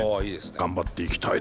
頑張っていきたいです」。